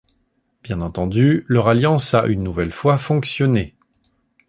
Bien entendu leur alliance a, une nouvelle fois, fonctionné.